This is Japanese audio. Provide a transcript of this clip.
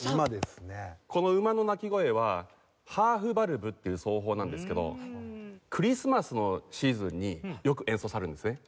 この馬の鳴き声はハーフバルブっていう奏法なんですけどクリスマスのシーズンによく演奏されるんですね。